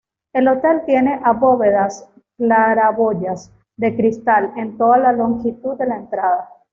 El hotel tiene abovedadas claraboyas de cristal en toda la longitud de la entrada.